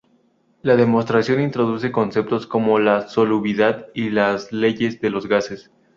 La demostración introduce conceptos como la solubilidad y las leyes de los gases.